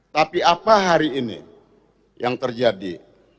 tapi apa hari ini yang terjadi